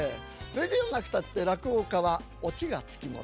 それではなくたって落語家は落ちが付き物。